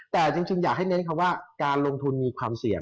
แต่จริงอยากให้เน้นคำว่าการลงทุนมีความเสี่ยง